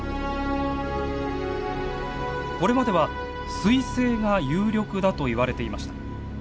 これまでは「彗星」が有力だといわれていました。